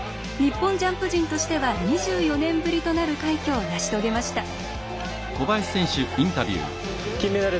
日本ジャンプ陣としては２４年ぶりとなる快挙を成し遂げました。